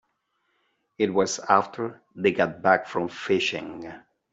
It was after they got back from fishing.